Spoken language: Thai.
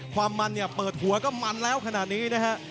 ความมันเนี่ยเปิดหัวก็มันแล้วขนาดนี้นะฮะ